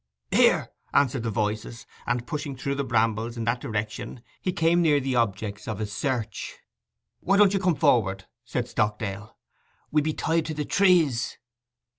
'Here,' answered the voices; and, pushing through the brambles in that direction, he came near the objects of his search. 'Why don't you come forward?' said Stockdale. 'We be tied to the trees!